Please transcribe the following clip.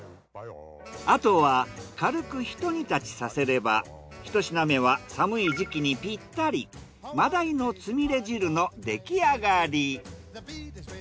あとは軽くひと煮立ちさせればひと品目は寒い時期にぴったりマダイのつみれ汁の出来上がり。